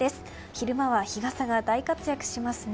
昼間は日傘が大活躍しますね。